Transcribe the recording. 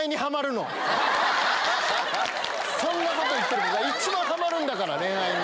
そんなこと言ってる子が一番ハマるんだから恋愛に。